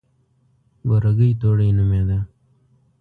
بورګۍ توړۍ نومېده.